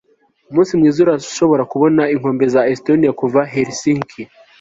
umunsi mwiza, urashobora kubona inkombe za esitoniya kuva helsinki